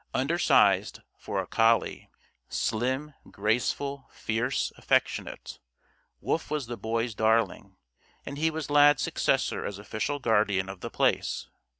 Under sized (for a collie), slim, graceful, fierce, affectionate, Wolf was the Boy's darling, and he was Lad's successor as official guardian of The Place.